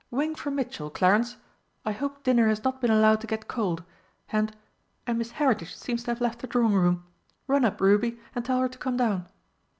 Ring for Mitchell, Clarence I hope dinner has not been allowed to get cold. And and Miss Heritage seems to have left the drawing room. Run up, Ruby, and tell her to come down."